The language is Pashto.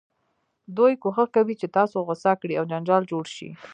دوی کوښښ کوي چې تاسو غوسه کړي او جنجال جوړ شي.